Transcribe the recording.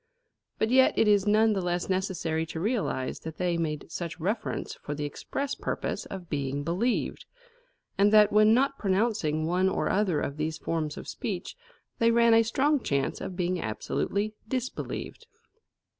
But yet is it none the less necessary to realise that they made such reference for the express purpose of being believed, and that when not pronouncing one or other of these forms of speech, they ran a strong chance of being absolutely disbelieved.